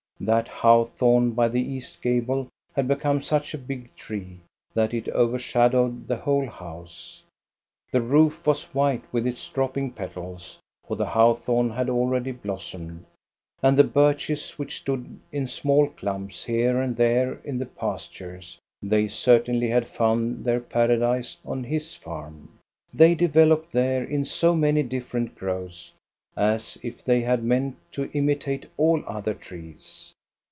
That haw thorn by the east gable had become such a big tree that it overshadowed the whole house. The roof was white with its dropping petals, for the hawthorn had already blossomed. And the birches which stood in small clumps here and there in the pastures, they certainly had found their paradise on his farm. They developed there in so many different growths, as if they had meant to imitate all other trees.